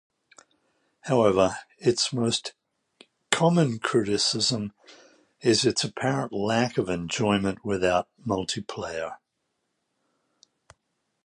However, its most common criticism is its apparent lack of enjoyment without multiplayer.